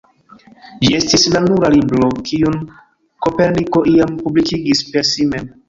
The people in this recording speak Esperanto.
Ĝi estis la nura libro kiun Koperniko iam publikigis per si mem.